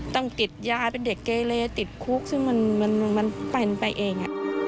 ต้องติดยาเป็นเด็กเกเลติดคุกซึ่งมันเป็นไปเอง